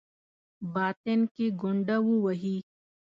باطن کې ګونډه ووهي.